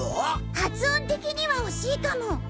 発音的には惜しいかも。